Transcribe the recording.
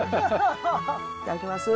いただきます。